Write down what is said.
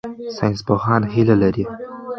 ساینسپوهان هیله لري.